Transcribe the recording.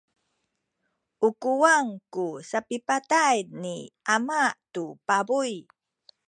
u kuwang ku sapipatay ni ama tu pabuy.